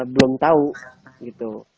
belum tahu gitu